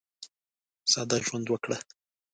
ساده ژوند وکړه.